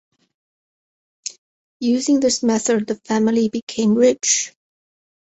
Using this method the family became rich.